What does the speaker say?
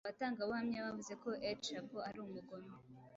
abatangabuhamya bavuze ko El Chapo ari umugome